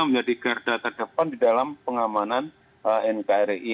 menjadi garda terdepan di dalam pengamanan nkri